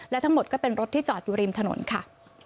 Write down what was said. และทั้งหมดก็เป็นรถที่จอดอยู่ริมถนนค่ะ